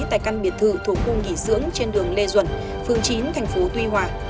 tại căn biệt thử thuộc khu nghỉ dưỡng trên đường lê duẩn phương chín tp tuy hòa